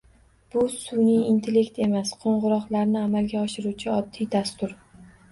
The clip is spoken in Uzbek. — Bu sunʼiy intellekt emas, qoʻngʻiroqlarni amalga oshiruvchi oddiy dastur.